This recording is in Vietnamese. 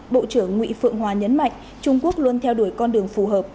bộ trưởng nguyễn phượng hòa nhấn mạnh trung quốc luôn theo đuổi con đường phù hợp